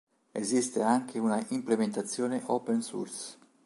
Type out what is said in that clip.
Esiste anche una implementazione open-source.